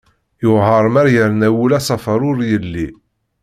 Yuɛer ma yerna wul asafar ur yelli.